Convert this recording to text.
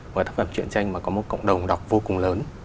một cái tác phẩm truyền tranh mà có một cộng đồng đọc vô cùng lớn